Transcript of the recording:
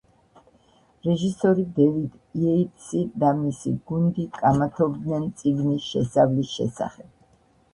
რეჟისორი დევიდ იეიტსი და მისი გუნდი კამათობდნენ წიგნის შესავლის შესახებ.